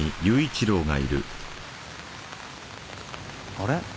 あれ？